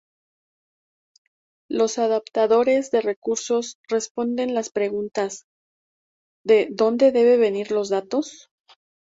Los adaptadores de recursos responden las preguntas "¿De dónde deben venir los datos?